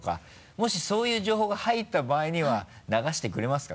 もしそういう情報が入った場合には流してくれますか？